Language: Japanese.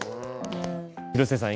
広瀬さん